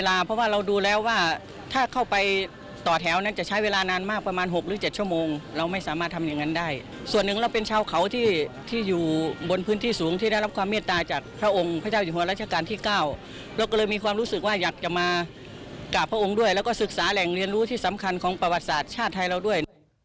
แล้วก็ศึกษาแหล่งเรียนรู้ที่สำคัญของประวัติศาสตร์ชาติไทยเราด้วย